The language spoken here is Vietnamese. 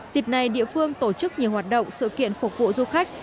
dịp này địa phương tổ chức nhiều hoạt động sự kiện phục vụ du khách